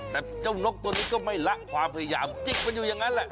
แต่เจ้านกตัวนี้ก็ไม่ละความพยายามจิกมันอยู่อย่างนั้นแหละ